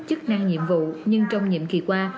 chức năng nhiệm vụ nhưng trong nhiệm kỳ qua